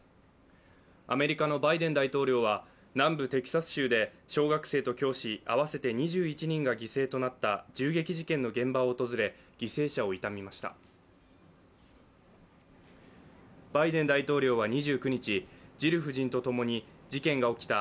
アメリカのバイデン大統領は南部テキサス州で小学生と教師合わせて２１人が犠牲となった銃撃事件の現場を訪れ、犠牲者を悼みました。